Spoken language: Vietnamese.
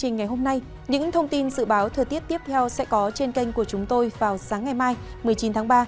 những thông tin dự báo thừa tiết tiếp theo sẽ có trên kênh của chúng tôi vào sáng ngày mai một mươi chín tháng ba